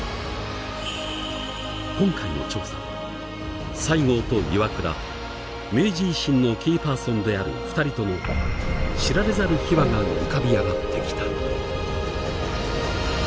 今回の調査で西郷と岩倉明治維新のキーパーソンである２人との知られざる秘話が浮かび上がってきた。